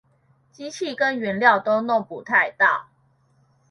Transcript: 機器跟原料都弄不太到